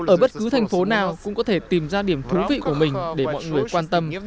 ở bất cứ thành phố nào cũng có thể tìm ra điểm thú vị của mình để mọi người quan tâm